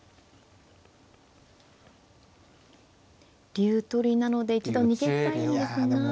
竜取りなので一度逃げたいんですが。